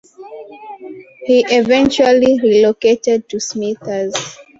He eventually relocated to Smithers.